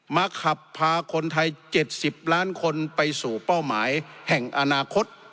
ขับพาคนไทย๗๐ล้านคนไปสู่เป้าหมายแห่งอนาคต